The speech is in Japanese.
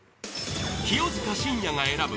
清塚信也が選ぶ！